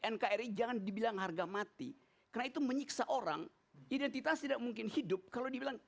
nkri jangan dibilang harga mati karena itu menyiksa orang identitas tidak mungkin hidup kalau dibilang